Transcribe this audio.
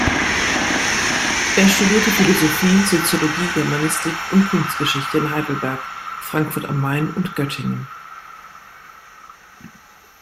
Er studierte Philosophie, Soziologie, Germanistik und Kunstgeschichte in Heidelberg, Frankfurt am Main und Göttingen.